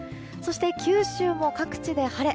九州も各地で晴れ。